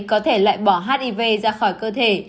có thể loại bỏ hiv ra khỏi cơ thể